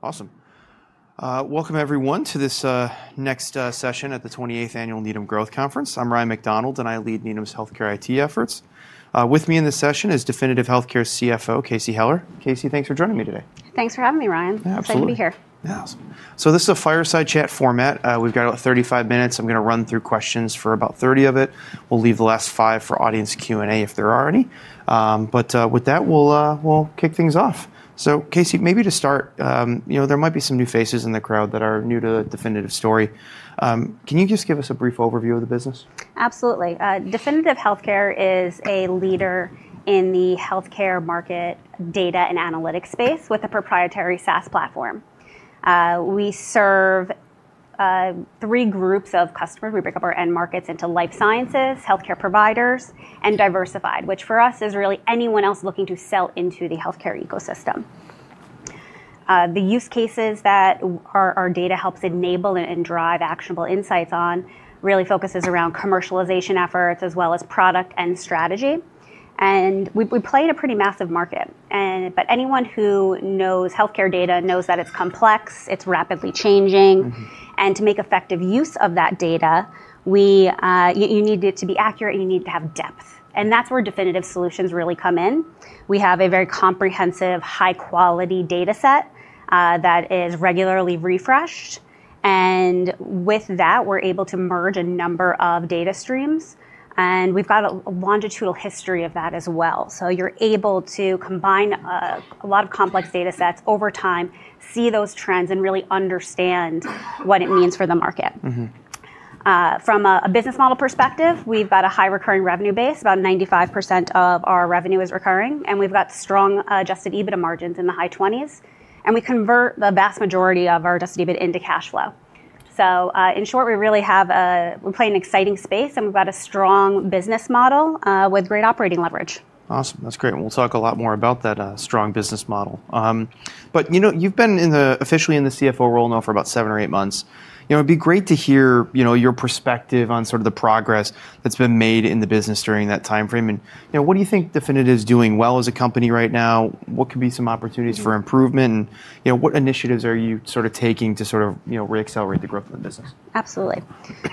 Awesome. Welcome, everyone, to this next session at the 28th Annual Needham & Company Growth Conference. I'm Ryan MacDonald, and I lead Needham & Company's healthcare IT efforts. With me in this session is Definitive Healthcare's CFO, Casey Heller. Casey, thanks for joining me today. Thanks for having me, Ryan. Absolutely. Glad to be here. Awesome. So this is a fireside chat format. We've got about 35 minutes. I'm going to run through questions for about 30 of it. We'll leave the last five for audience Q&A if there are any. But with that, we'll kick things off. So Casey, maybe to start, there might be some new faces in the crowd that are new to Definitive's story. Can you just give us a brief overview of the business? Absolutely. Definitive Healthcare is a leader in the healthcare market data and analytics space with a proprietary SaaS platform. We serve three groups of customers. We break up our end markets into life sciences, healthcare providers, and diversified, which for us is really anyone else looking to sell into the healthcare ecosystem. The use cases that our data helps enable and drive actionable insights on really focus around commercialization efforts as well as product and strategy, and we play in a pretty massive market, but anyone who knows healthcare data knows that it's complex, it's rapidly changing, and to make effective use of that data, you need it to be accurate, and you need to have depth, and that's where Definitive's solutions really come in. We have a very comprehensive, high-quality data set that is regularly refreshed, and with that, we're able to merge a number of data streams. We've got a longitudinal history of that as well. You're able to combine a lot of complex data sets over time, see those trends, and really understand what it means for the market. From a business model perspective, we've got a high recurring revenue base. About 95% of our revenue is recurring. We've got strong adjusted EBITDA margins in the high 20s. We convert the vast majority of our adjusted EBIT into cash flow. In short, we really have a play in an exciting space, and we've got a strong business model with great operating leverage. Awesome. That's great. We'll talk a lot more about that strong business model, but you've been officially in the CFO role now for about seven or eight months. It'd be great to hear your perspective on the progress that's been made in the business during that time frame, and what do you think Definitive is doing well as a company right now? What could be some opportunities for improvement, and what initiatives are you taking to reaccelerate the growth of the business? Absolutely.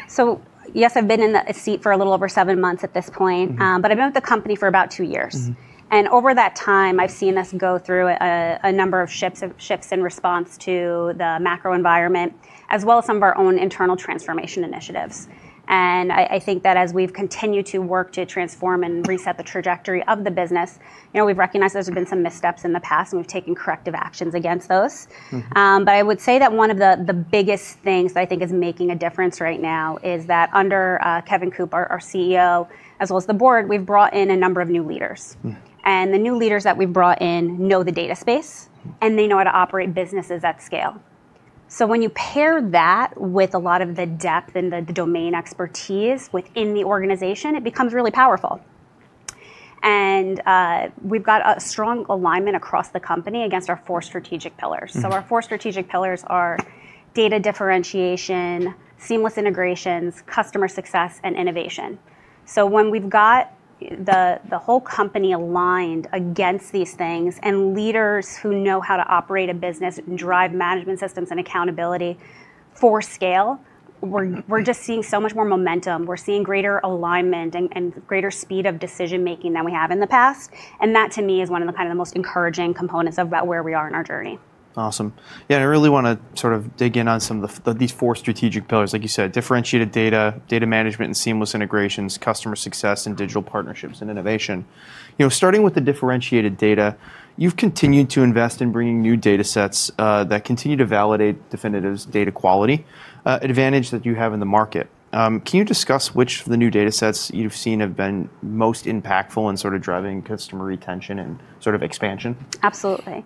So yes, I've been in the seat for a little over seven months at this point. But I've been with the company for about two years. And over that time, I've seen us go through a number of shifts in response to the macro environment, as well as some of our own internal transformation initiatives. And I think that as we've continued to work to transform and reset the trajectory of the business, we've recognized there's been some missteps in the past, and we've taken corrective actions against those. But I would say that one of the biggest things that I think is making a difference right now is that under Kevin Coop, our CEO, as well as the Board, we've brought in a number of new leaders. And the new leaders that we've brought in know the data space, and they know how to operate businesses at scale. So when you pair that with a lot of the depth and the domain expertise within the organization, it becomes really powerful. And we've got a strong alignment across the company against our four strategic pillars. So our four strategic pillars are data differentiation, seamless integrations, customer success, and innovation. So when we've got the whole company aligned against these things and leaders who know how to operate a business and drive management systems and accountability for scale, we're just seeing so much more momentum. We're seeing greater alignment and greater speed of decision-making than we have in the past. And that, to me, is one of the most encouraging components about where we are in our journey. Awesome. Yeah, and I really want to dig in on some of these four strategic pillars, like you said, differentiated data, data management and seamless integrations, customer success, and digital partnerships and innovation. Starting with the differentiated data, you've continued to invest in bringing new data sets that continue to validate Definitive's data quality advantage that you have in the market. Can you discuss which of the new data sets you've seen have been most impactful in driving customer retention and expansion? Absolutely.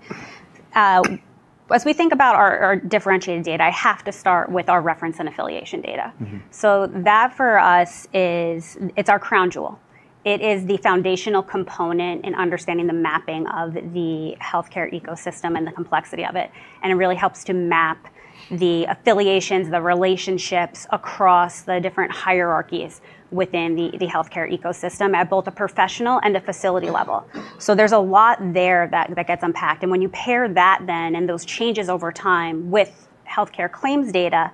As we think about our differentiated data, I have to start with our reference and affiliation data. So that, for us, is our crown jewel. It is the foundational component in understanding the mapping of the healthcare ecosystem and the complexity of it. And it really helps to map the affiliations, the relationships across the different hierarchies within the healthcare ecosystem at both a professional and a facility level. So there's a lot there that gets unpacked. And when you pair that, then, and those changes over time with healthcare claims data,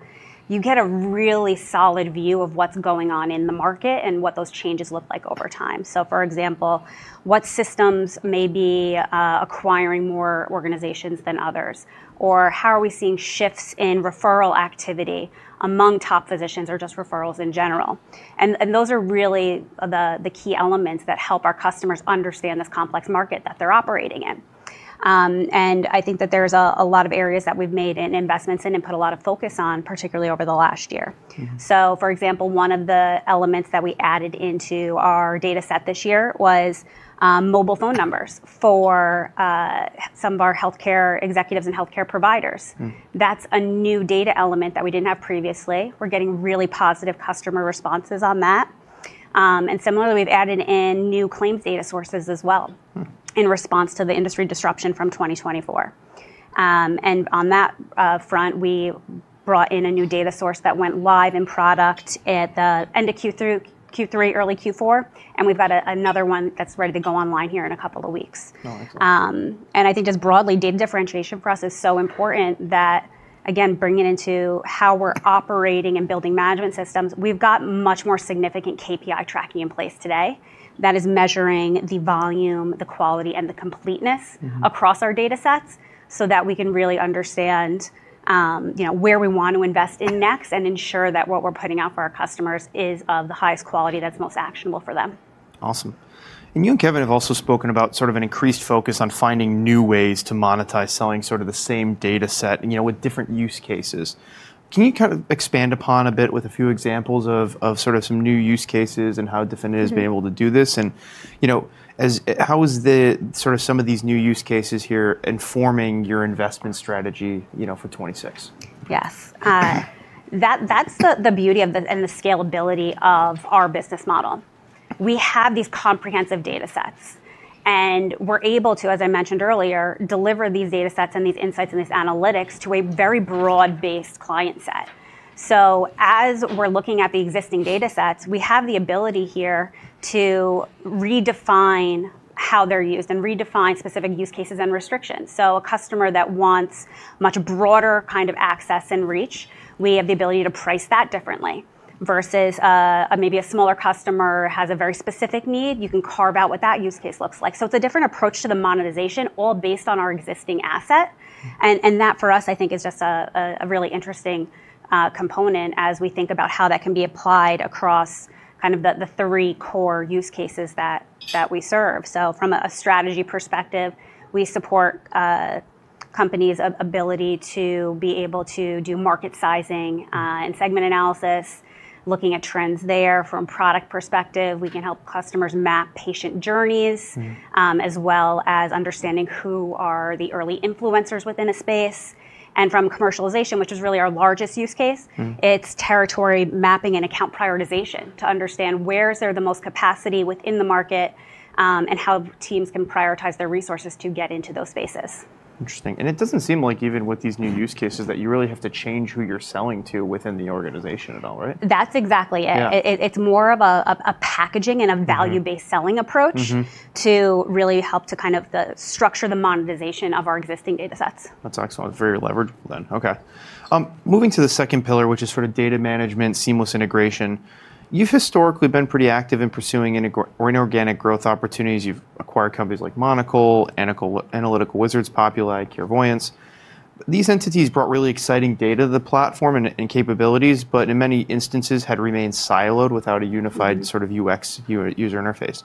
you get a really solid view of what's going on in the market and what those changes look like over time. So for example, what systems may be acquiring more organizations than others, or how are we seeing shifts in referral activity among top physicians or just referrals in general? Those are really the key elements that help our customers understand this complex market that they're operating in. I think that there's a lot of areas that we've made investments in and put a lot of focus on, particularly over the last year. For example, one of the elements that we added into our data set this year was mobile phone numbers for some of our healthcare executives and healthcare providers. That's a new data element that we didn't have previously. We're getting really positive customer responses on that. Similarly, we've added in new claims data sources as well in response to the industry disruption from 2024. On that front, we brought in a new data source that went live in product at the end of Q3, early Q4. We've got another one that's ready to go online here in a couple of weeks. I think just broadly, data differentiation for us is so important that, again, bringing it into how we're operating and building management systems, we've got much more significant KPI tracking in place today that is measuring the volume, the quality, and the completeness across our data sets so that we can really understand where we want to invest in next and ensure that what we're putting out for our customers is of the highest quality that's most actionable for them. Awesome. And you and Kevin have also spoken about an increased focus on finding new ways to monetize selling the same data set with different use cases. Can you expand upon a bit with a few examples of some new use cases and how Definitive has been able to do this? And how is some of these new use cases here informing your investment strategy for 2026? Yes. That's the beauty and the scalability of our business model. We have these comprehensive data sets. And we're able to, as I mentioned earlier, deliver these data sets and these insights and these analytics to a very broad-based client set. So as we're looking at the existing data sets, we have the ability here to redefine how they're used and redefine specific use cases and restrictions. So a customer that wants much broader kind of access and reach, we have the ability to price that differently. Versus maybe a smaller customer has a very specific need, you can carve out what that use case looks like. So it's a different approach to the monetization, all based on our existing asset. That, for us, I think, is just a really interesting component as we think about how that can be applied across the three core use cases that we serve. From a strategy perspective, we support companies' ability to be able to do market sizing and segment analysis, looking at trends there from a product perspective. We can help customers map patient journeys as well as understanding who are the early influencers within a space. From commercialization, which is really our largest use case, it's territory mapping and account prioritization to understand where is there the most capacity within the market and how teams can prioritize their resources to get into those spaces. Interesting. And it doesn't seem like even with these new use cases that you really have to change who you're selling to within the organization at all, right? That's exactly it. It's more of a packaging and a value-based selling approach to really help to kind of structure the monetization of our existing data sets. That's excellent. It's very leverageable then. OK. Moving to the second pillar, which is data management, seamless integration. You've historically been pretty active in pursuing inorganic growth opportunities. You've acquired companies like Monocl, Analytical Wizards, Populi, and Carevoyance. These entities brought really exciting data to the platform and capabilities, but in many instances had remained siloed without a unified UX user interface.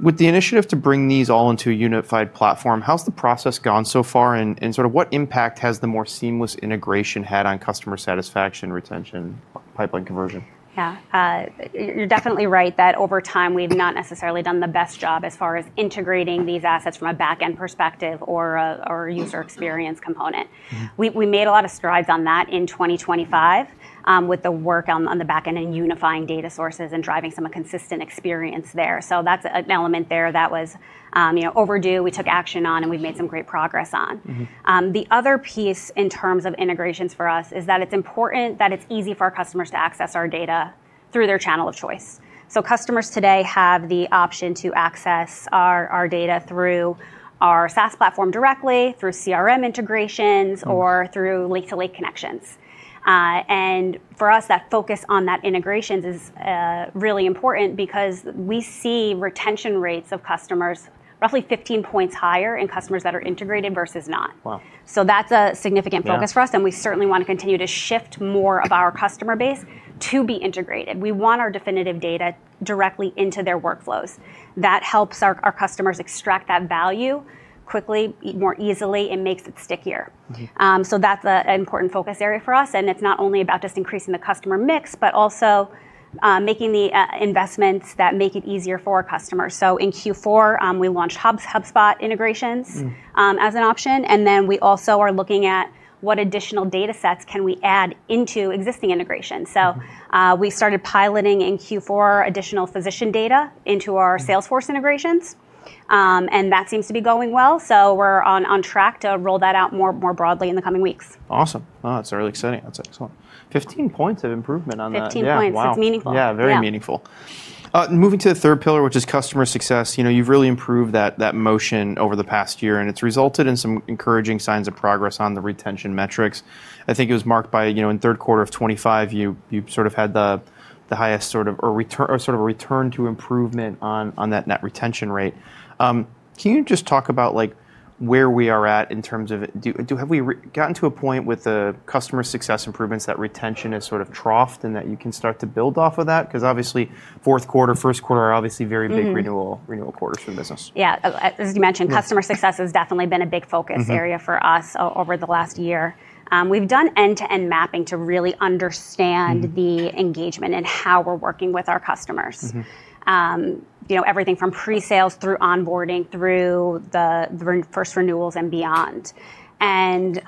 With the initiative to bring these all into a unified platform, how's the process gone so far? And what impact has the more seamless integration had on customer satisfaction, retention, pipeline conversion? Yeah. You're definitely right that over time, we've not necessarily done the best job as far as integrating these assets from a back-end perspective or a user experience component. We made a lot of strides on that in 2025 with the work on the back end and unifying data sources and driving some consistent experience there. So that's an element there that was overdue. We took action on, and we've made some great progress on. The other piece in terms of integrations for us is that it's important that it's easy for our customers to access our data through their channel of choice. So customers today have the option to access our data through our SaaS platform directly, through CRM integrations, or through link to link connections. For us, that focus on that integration is really important because we see retention rates of customers roughly 15 points higher in customers that are integrated versus not. So that's a significant focus for us. We certainly want to continue to shift more of our customer base to be integrated. We want our Definitive data directly into their workflows. That helps our customers extract that value quickly, more easily, and makes it stickier. So that's an important focus area for us. It's not only about just increasing the customer mix, but also making the investments that make it easier for our customers. In Q4, we launched HubSpot integrations as an option. Then we also are looking at what additional data sets can we add into existing integrations. We started piloting in Q4 additional physician data into our Salesforce integrations. That seems to be going well. We're on track to roll that out more broadly in the coming weeks. Awesome. That's really exciting. That's excellent. 15 points of improvement on that. 15 points. That's meaningful. Yeah, very meaningful. Moving to the third pillar, which is customer success. You've really improved that motion over the past year. And it's resulted in some encouraging signs of progress on the retention metrics. I think it was marked by, in third quarter of 2025, you had the highest return to improvement on that net retention rate. Can you just talk about where we are at in terms of have we gotten to a point with the customer success improvements that retention has troughed and that you can start to build off of that? Because obviously, fourth quarter, first quarter are obviously very big renewal quarters for the business. Yeah. As you mentioned, customer success has definitely been a big focus area for us over the last year. We've done end-to-end mapping to really understand the engagement and how we're working with our customers. Everything from presales through onboarding through the first renewals and beyond. And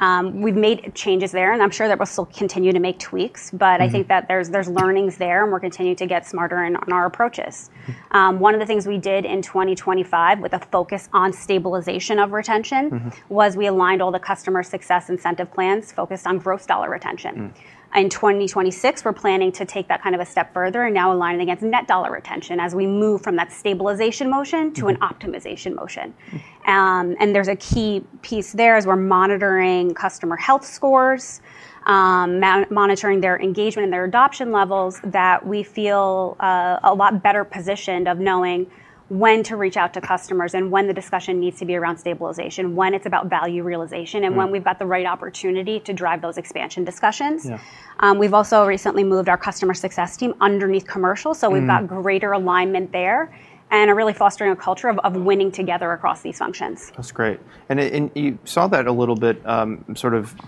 we've made changes there. And I'm sure that we'll still continue to make tweaks. But I think that there's learnings there, and we're continuing to get smarter in our approaches. One of the things we did in 2025 with a focus on stabilization of retention was we aligned all the customer success incentive plans focused on gross dollar retention. In 2026, we're planning to take that kind of a step further and now align it against net dollar retention as we move from that stabilization motion to an optimization motion. There's a key piece there as we're monitoring customer health scores, monitoring their engagement and their adoption levels that we feel a lot better positioned of knowing when to reach out to customers and when the discussion needs to be around stabilization, when it's about value realization, and when we've got the right opportunity to drive those expansion discussions. We've also recently moved our customer success team underneath commercial. We've got greater alignment there and are really fostering a culture of winning together across these functions. That's great. And you saw that a little bit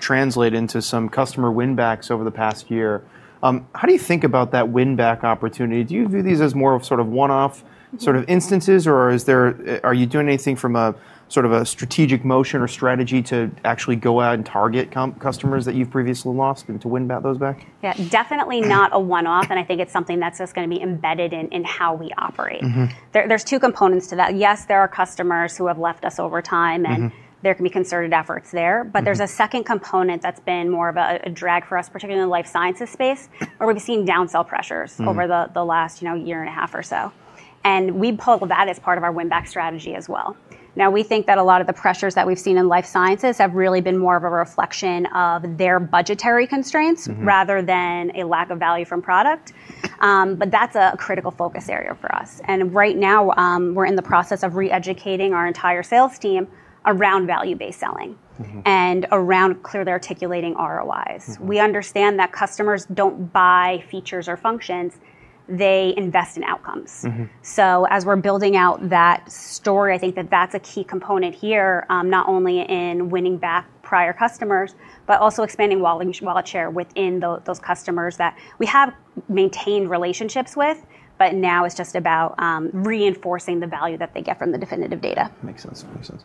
translate into some customer win-backs over the past year. How do you think about that win-back opportunity? Do you view these as more of one-off instances? Or are you doing anything from a strategic motion or strategy to actually go out and target customers that you've previously lost and to win back those? Yeah, definitely not a one-off. And I think it's something that's just going to be embedded in how we operate. There's two components to that. Yes, there are customers who have left us over time, and there can be concerted efforts there. But there's a second component that's been more of a drag for us, particularly in the life sciences space, where we've seen downsell pressures over the last year and a half or so. And we pull that as part of our win-back strategy as well. Now, we think that a lot of the pressures that we've seen in life sciences have really been more of a reflection of their budgetary constraints rather than a lack of value from product. But that's a critical focus area for us. And right now, we're in the process of re-educating our entire sales team around value-based selling and around clearly articulating ROIs. We understand that customers don't buy features or functions. They invest in outcomes. So as we're building out that story, I think that that's a key component here, not only in winning back prior customers, but also expanding wallet share within those customers that we have maintained relationships with, but now it's just about reinforcing the value that they get from the Definitive data. Makes sense. Makes sense.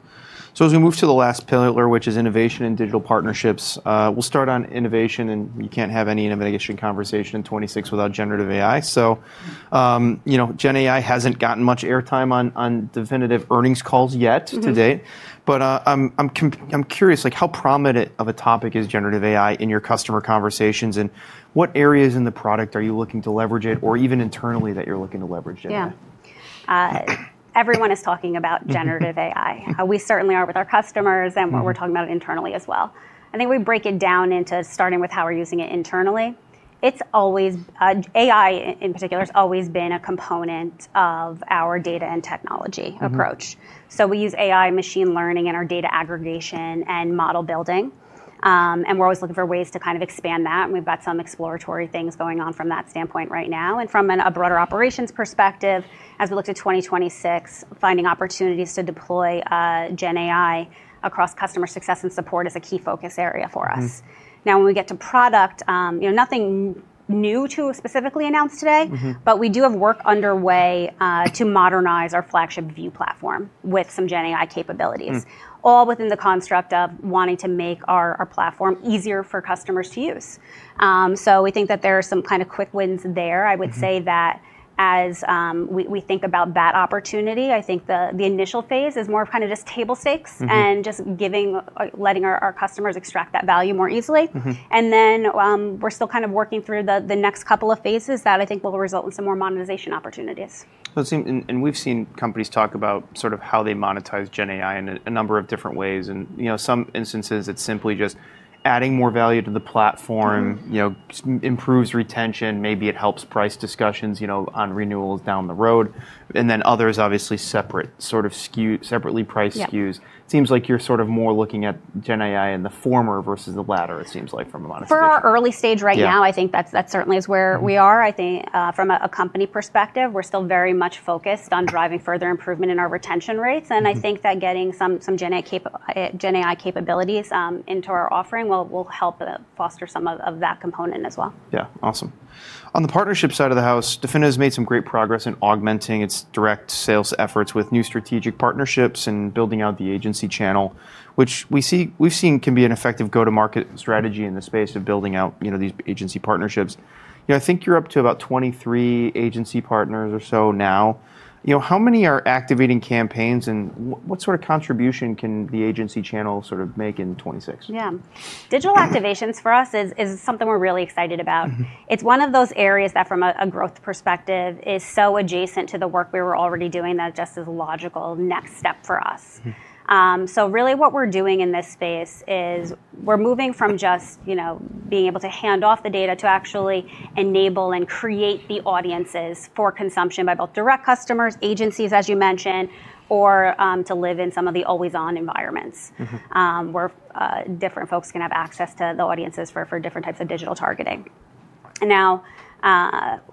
So as we move to the last pillar, which is innovation and digital partnerships, we'll start on innovation. And you can't have any innovation conversation in 2026 without generative AI. So GenAI hasn't gotten much airtime on Definitive earnings calls yet to date. But I'm curious, how prominent of a topic is generative AI in your customer conversations? And what areas in the product are you looking to leverage it or even internally that you're looking to leverage it? Yeah. Everyone is talking about generative AI. We certainly are with our customers, and we're talking about it internally as well. I think we break it down into starting with how we're using it internally. AI in particular has always been a component of our data and technology approach. So we use AI, machine learning, and our data aggregation and model building. And we're always looking for ways to kind of expand that. And we've got some exploratory things going on from that standpoint right now. And from a broader operations perspective, as we look to 2026, finding opportunities to deploy GenAI across customer success and support is a key focus area for us. Now, when we get to product, nothing new to specifically announce today. But we do have work underway to modernize our flagship View platform with some GenAI capabilities, all within the construct of wanting to make our platform easier for customers to use. So we think that there are some kind of quick wins there. I would say that as we think about that opportunity, I think the initial phase is more of kind of just table stakes and just letting our customers extract that value more easily. And then we're still kind of working through the next couple of phases that I think will result in some more monetization opportunities. And we've seen companies talk about how they monetize GenAI in a number of different ways. In some instances, it's simply just adding more value to the platform, improves retention. Maybe it helps price discussions on renewals down the road. And then others, obviously, separate price SKUs. It seems like you're more looking at GenAI in the former versus the latter, it seems like, from a monetization. For our early stage right now, I think that certainly is where we are. I think from a company perspective, we're still very much focused on driving further improvement in our retention rates. And I think that getting some GenAI capabilities into our offering will help foster some of that component as well. Yeah, awesome. On the partnership side of the house, Definitive has made some great progress in augmenting its direct sales efforts with new strategic partnerships and building out the agency channel, which we've seen can be an effective go-to-market strategy in the space of building out these agency partnerships. I think you're up to about 23 agency partners or so now. How many are activating campaigns? And what sort of contribution can the agency channel make in 2026? Yeah. Digital activations for us is something we're really excited about. It's one of those areas that, from a growth perspective, is so adjacent to the work we were already doing that it just is a logical next step for us. So really, what we're doing in this space is we're moving from just being able to hand off the data to actually enable and create the audiences for consumption by both direct customers, agencies, as you mentioned, or to live in some of the always-on environments where different folks can have access to the audiences for different types of digital targeting. Now,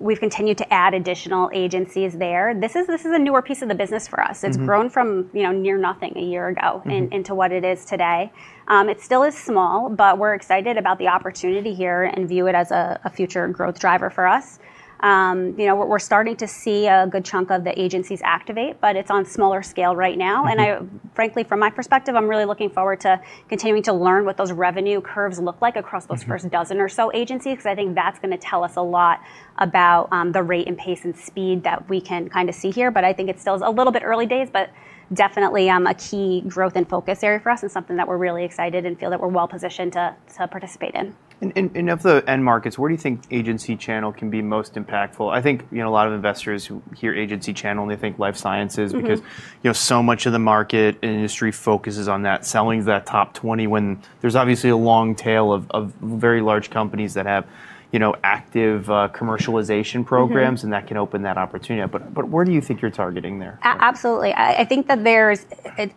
we've continued to add additional agencies there. This is a newer piece of the business for us. It's grown from near nothing a year ago into what it is today. It still is small, but we're excited about the opportunity here and view it as a future growth driver for us. We're starting to see a good chunk of the agencies activate, but it's on a smaller scale right now, and frankly, from my perspective, I'm really looking forward to continuing to learn what those revenue curves look like across those first dozen or so agencies, because I think that's going to tell us a lot about the rate and pace and speed that we can kind of see here, but I think it's still a little bit early days, but definitely a key growth and focus area for us and something that we're really excited and feel that we're well-positioned to participate in. And of the end markets, where do you think agency channel can be most impactful? I think a lot of investors hear agency channel, and they think life sciences because so much of the market and industry focuses on that, selling that top 20, when there's obviously a long tail of very large companies that have active commercialization programs, and that can open that opportunity. But where do you think you're targeting there? Absolutely. I think that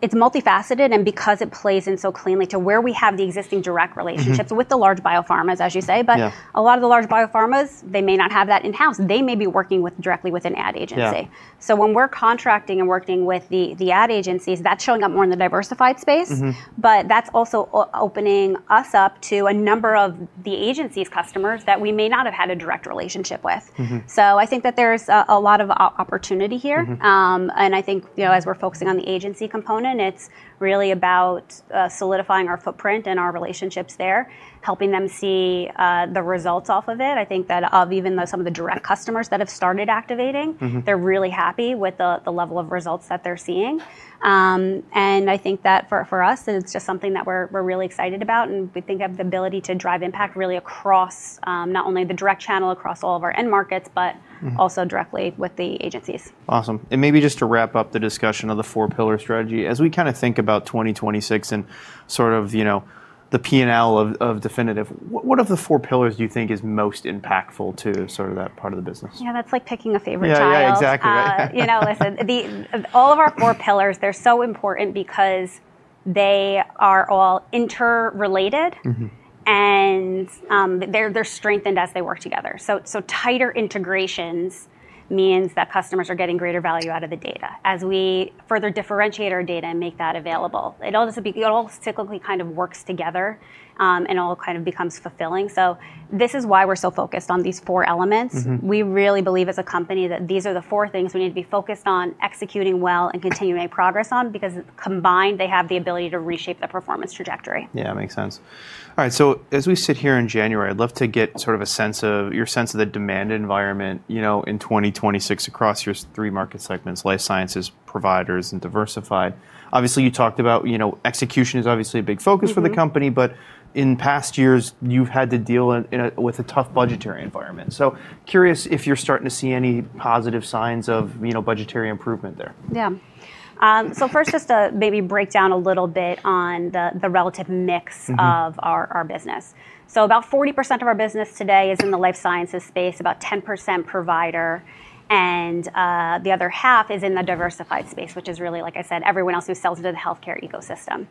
it's multifaceted, and because it plays in so cleanly to where we have the existing direct relationships with the large biopharmas, as you say, but a lot of the large biopharmas, they may not have that in-house. They may be working directly with an ad agency, so when we're contracting and working with the ad agencies, that's showing up more in the diversified space, but that's also opening us up to a number of the agency's customers that we may not have had a direct relationship with, so I think that there's a lot of opportunity here, and I think as we're focusing on the agency component, it's really about solidifying our footprint and our relationships there, helping them see the results off of it. I think that even some of the direct customers that have started activating, they're really happy with the level of results that they're seeing, and I think that for us, it's just something that we're really excited about, and we think of the ability to drive impact really across not only the direct channel across all of our end markets, but also directly with the agencies. Awesome. And maybe just to wrap up the discussion of the four-pillar strategy, as we kind of think about 2026 and the P&L of Definitive, what of the four pillars do you think is most impactful to that part of the business? Yeah, that's like picking a favorite child. Yeah, exactly. Listen, all of our four pillars, they're so important because they are all interrelated, and they're strengthened as they work together. So tighter integrations means that customers are getting greater value out of the data as we further differentiate our data and make that available. It all cyclically kind of works together, and it all kind of becomes fulfilling. So this is why we're so focused on these four elements. We really believe as a company that these are the four things we need to be focused on, executing well, and continuing to make progress on, because combined, they have the ability to reshape the performance trajectory. Yeah, makes sense. All right, so as we sit here in January, I'd love to get a sense of your sense of the demand environment in 2026 across your three market segments, life sciences, providers, and diversified. Obviously, you talked about execution is obviously a big focus for the company. But in past years, you've had to deal with a tough budgetary environment. So curious if you're starting to see any positive signs of budgetary improvement there? Yeah. So first, just to maybe break down a little bit on the relative mix of our business. So about 40% of our business today is in the life sciences space, about 10% provider, and the other half is in the diversified space, which is really, like I said, everyone else who sells into the healthcare ecosystem.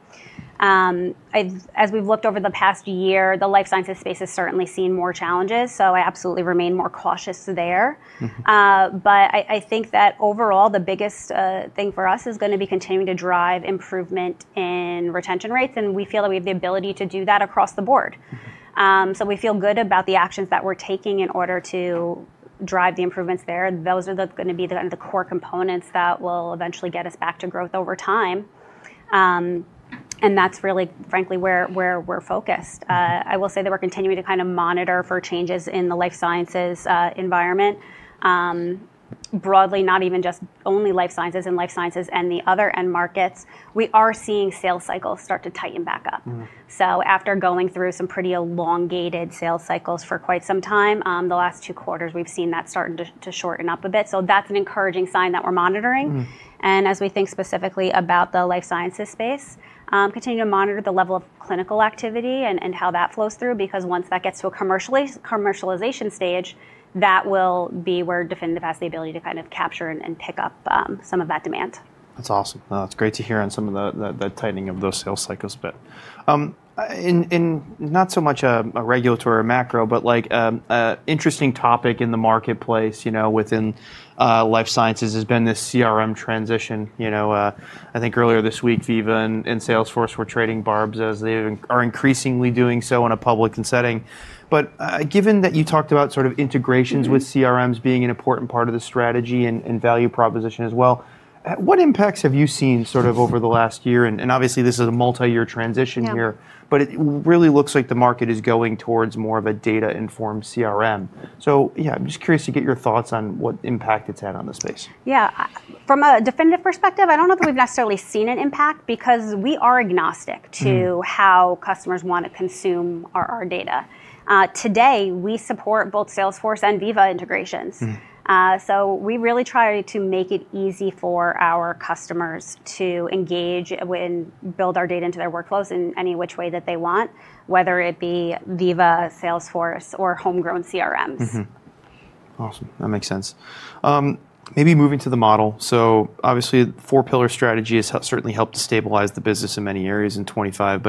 As we've looked over the past year, the life sciences space has certainly seen more challenges. So I absolutely remain more cautious there. But I think that overall, the biggest thing for us is going to be continuing to drive improvement in retention rates. And we feel that we have the ability to do that across the board. So we feel good about the actions that we're taking in order to drive the improvements there. Those are going to be the core components that will eventually get us back to growth over time. That's really, frankly, where we're focused. I will say that we're continuing to kind of monitor for changes in the life sciences environment. Broadly, not even just only life sciences and the other end markets, we are seeing sales cycles start to tighten back up. So after going through some pretty elongated sales cycles for quite some time, the last two quarters, we've seen that start to shorten up a bit. So that's an encouraging sign that we're monitoring. As we think specifically about the life sciences space, continue to monitor the level of clinical activity and how that flows through, because once that gets to a commercialization stage, that will be where Definitive has the ability to kind of capture and pick up some of that demand. That's awesome. That's great to hear on some of the tightening of those sales cycles. But not so much a regulatory or macro, but an interesting topic in the marketplace within life sciences has been this CRM transition. I think earlier this week, Veeva and Salesforce were trading barbs as they are increasingly doing so in a public setting. But given that you talked about integrations with CRMs being an important part of the strategy and value proposition as well, what impacts have you seen over the last year? And obviously, this is a multi-year transition here, but it really looks like the market is going towards more of a data-informed CRM. So yeah, I'm just curious to get your thoughts on what impact it's had on the space. Yeah. From a Definitive perspective, I don't know that we've necessarily seen an impact because we are agnostic to how customers want to consume our data. Today, we support both Salesforce and Veeva integrations. So we really try to make it easy for our customers to engage and build our data into their workflows in any which way that they want, whether it be Veeva, Salesforce, or homegrown CRMs. Awesome. That makes sense. Maybe moving to the model. So obviously, the four-pillar strategy has certainly helped stabilize the business in many areas in 2025,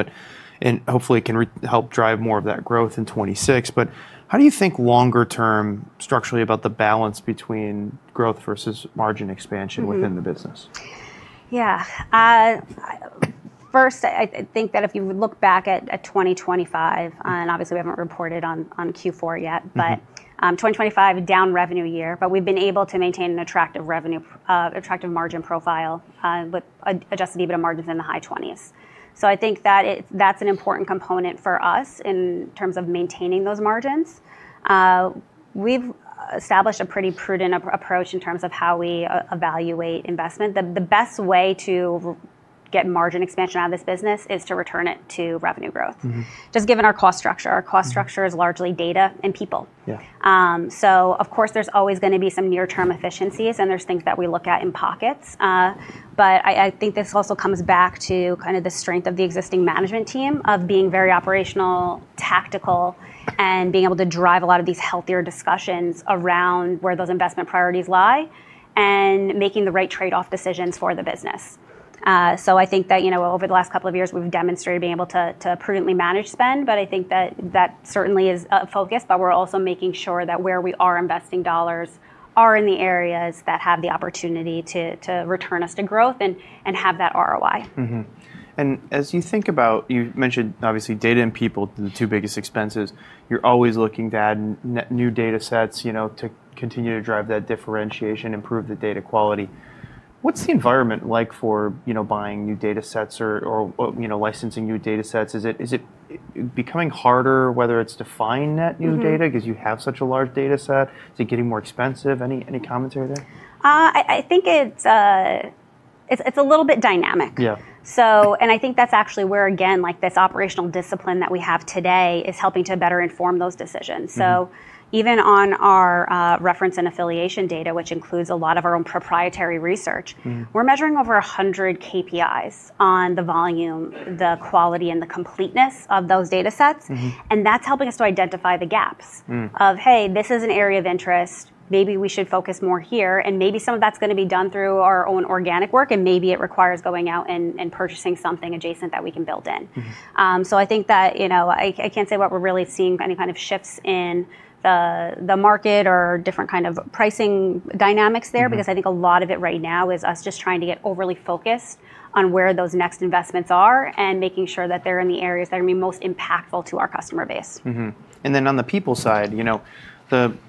and hopefully, it can help drive more of that growth in 2026. But how do you think longer term, structurally, about the balance between growth versus margin expansion within the business? Yeah. First, I think that if you look back at 2025, and obviously, we haven't reported on Q4 yet, but 2025, down revenue year, but we've been able to maintain an attractive margin profile with just a deeper margin than the high 20s%. So I think that that's an important component for us in terms of maintaining those margins. We've established a pretty prudent approach in terms of how we evaluate investment. The best way to get margin expansion out of this business is to return it to revenue growth, just given our cost structure. Our cost structure is largely data and people. So of course, there's always going to be some near-term efficiencies, and there's things that we look at in pockets. But I think this also comes back to kind of the strength of the existing management team of being very operational, tactical, and being able to drive a lot of these healthier discussions around where those investment priorities lie and making the right trade-off decisions for the business. So I think that over the last couple of years, we've demonstrated being able to prudently manage spend. But I think that that certainly is a focus. But we're also making sure that where we are investing dollars are in the areas that have the opportunity to return us to growth and have that ROI. And as you think about, you mentioned, obviously, data and people, the two biggest expenses. You're always looking to add new data sets to continue to drive that differentiation, improve the data quality. What's the environment like for buying new data sets or licensing new data sets? Is it becoming harder, whether it's to find that new data because you have such a large data set? Is it getting more expensive? Any commentary there? I think it's a little bit dynamic, and I think that's actually where, again, this operational discipline that we have today is helping to better inform those decisions, so even on our reference and affiliation data, which includes a lot of our own proprietary research, we're measuring over 100 KPIs on the volume, the quality, and the completeness of those data sets, and that's helping us to identify the gaps of, hey, this is an area of interest. Maybe we should focus more here, and maybe some of that's going to be done through our own organic work, and maybe it requires going out and purchasing something adjacent that we can build in. I think that I can't say what we're really seeing, any kind of shifts in the market or different kind of pricing dynamics there, because I think a lot of it right now is us just trying to get overly focused on where those next investments are and making sure that they're in the areas that are going to be most impactful to our customer base. And then on the people side,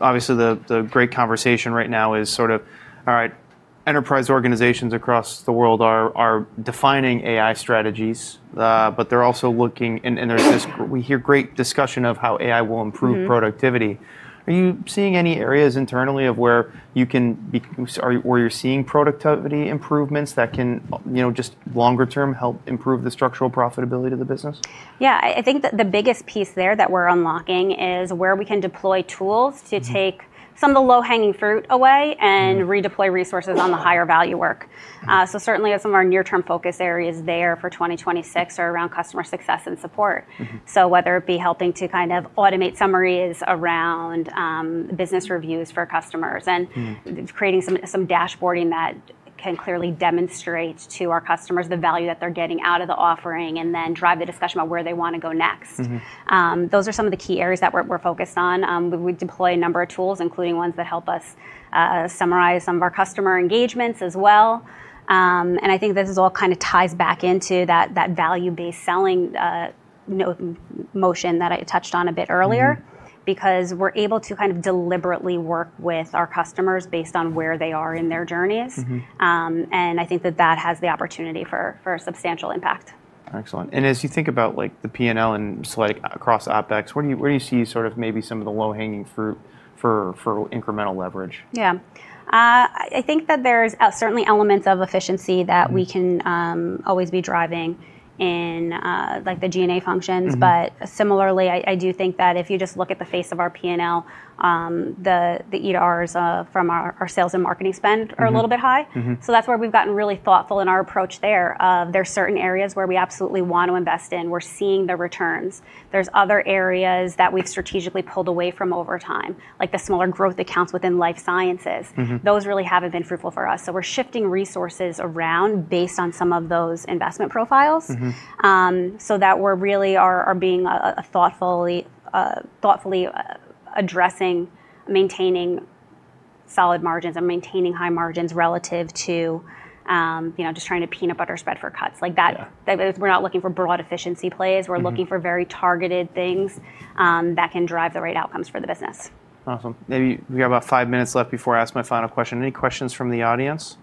obviously, the great conversation right now is sort of all right. Enterprise organizations across the world are defining AI strategies, but they're also looking, and we hear great discussion of how AI will improve productivity. Are you seeing any areas internally where you're seeing productivity improvements that can just longer term help improve the structural profitability of the business? Yeah, I think that the biggest piece there that we're unlocking is where we can deploy tools to take some of the low-hanging fruit away and redeploy resources on the higher value work. So certainly, some of our near-term focus areas there for 2026 are around customer success and support. So whether it be helping to kind of automate summaries around business reviews for customers and creating some dashboarding that can clearly demonstrate to our customers the value that they're getting out of the offering and then drive the discussion about where they want to go next. Those are some of the key areas that we're focused on. We deploy a number of tools, including ones that help us summarize some of our customer engagements as well. I think this is all kind of ties back into that value-based selling motion that I touched on a bit earlier, because we're able to kind of deliberately work with our customers based on where they are in their journeys. I think that that has the opportunity for substantial impact. Excellent. And as you think about the P&L and across OpEx, where do you see maybe some of the low-hanging fruit for incremental leverage? Yeah. I think that there's certainly elements of efficiency that we can always be driving in the G&A functions. But similarly, I do think that if you just look at the face of our P&L, the SDRs from our sales and marketing spend are a little bit high. So that's where we've gotten really thoughtful in our approach there. There are certain areas where we absolutely want to invest in. We're seeing the returns. There's other areas that we've strategically pulled away from over time, like the smaller growth accounts within life sciences. Those really haven't been fruitful for us. So we're shifting resources around based on some of those investment profiles so that we're really being thoughtfully addressing maintaining solid margins and maintaining high margins relative to just trying to peanut butter spread for cuts. We're not looking for broad efficiency plays. We're looking for very targeted things that can drive the right outcomes for the business. Awesome. Maybe we have about five minutes left before I ask my final question. Any questions from the audience?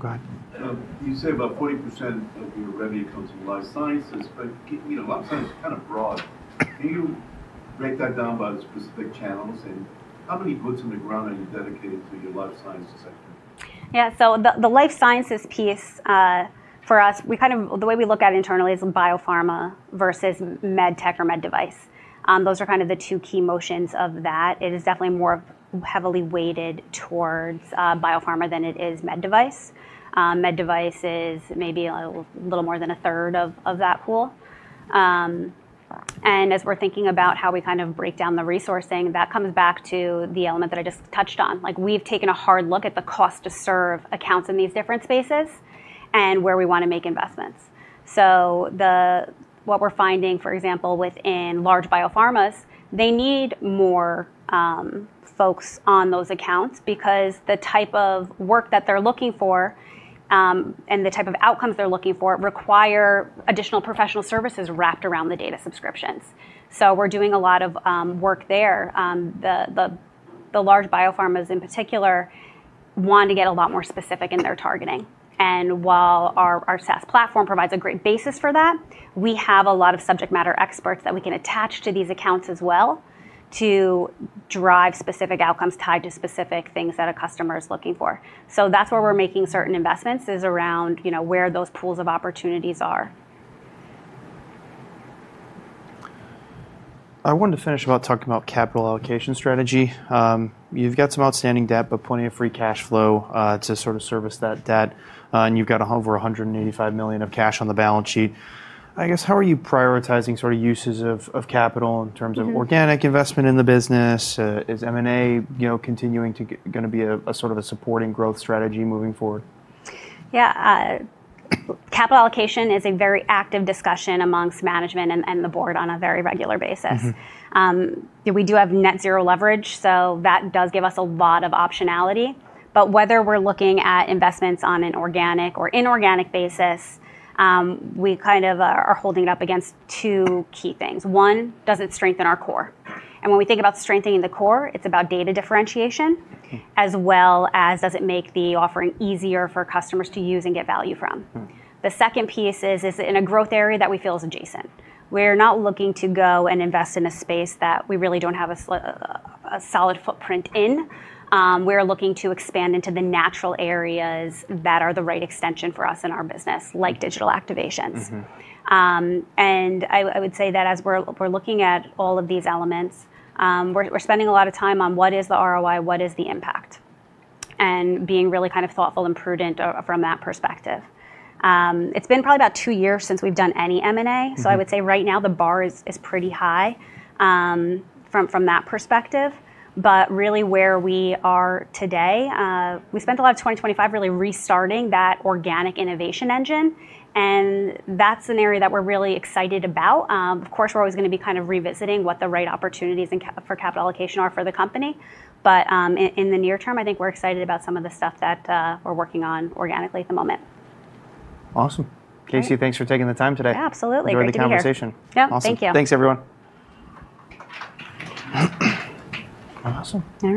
Go ahead. You say about 40% of your revenue comes from life sciences, but life sciences is kind of broad. Can you break that down by the specific channels? And how many boots on the ground are you dedicated to your life sciences sector? Yeah. So the life sciences piece for us, the way we look at it internally is biopharma versus med tech or med device. Those are kind of the two key motions of that. It is definitely more heavily weighted towards biopharma than it is med device. Med device is maybe a little more than a third of that pool. And as we're thinking about how we kind of break down the resourcing, that comes back to the element that I just touched on. We've taken a hard look at the cost to serve accounts in these different spaces and where we want to make investments. So what we're finding, for example, within large biopharmas, they need more folks on those accounts because the type of work that they're looking for and the type of outcomes they're looking for require additional professional services wrapped around the data subscriptions. We're doing a lot of work there. The large biopharmas in particular want to get a lot more specific in their targeting. While our SaaS platform provides a great basis for that, we have a lot of subject matter experts that we can attach to these accounts as well to drive specific outcomes tied to specific things that a customer is looking for. That's where we're making certain investments is around where those pools of opportunities are. I wanted to finish about talking about capital allocation strategy. You've got some outstanding debt, but plenty of free cash flow to service that debt. You've got over $185 million of cash on the balance sheet. I guess, how are you prioritizing uses of capital in terms of organic investment in the business? Is M&A continuing to going to be a supporting growth strategy moving forward? Yeah. Capital allocation is a very active discussion among management and the board on a very regular basis. We do have net zero leverage, so that does give us a lot of optionality. But whether we're looking at investments on an organic or inorganic basis, we kind of are holding it up against two key things. One, does it strengthen our core? And when we think about strengthening the core, it's about data differentiation as well as does it make the offering easier for customers to use and get value from? The second piece is in a growth area that we feel is adjacent. We're not looking to go and invest in a space that we really don't have a solid footprint in. We're looking to expand into the natural areas that are the right extension for us in our business, like digital activations. I would say that as we're looking at all of these elements, we're spending a lot of time on what is the ROI, what is the impact, and being really kind of thoughtful and prudent from that perspective. It's been probably about two years since we've done any M&A. So I would say right now the bar is pretty high from that perspective. But really where we are today, we spent a lot of 2025 really restarting that organic innovation engine. And that's an area that we're really excited about. Of course, we're always going to be kind of revisiting what the right opportunities for capital allocation are for the company. But in the near term, I think we're excited about some of the stuff that we're working on organically at the moment. Awesome. Casey, thanks for taking the time today. Absolutely. Enjoyed the conversation. Yeah. Thank you. Awesome. Thanks, everyone. Awesome. All right.